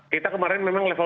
kita kemarin memang level